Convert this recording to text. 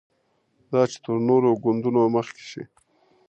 دا چې تر نورو ګوندونو مخکې شي.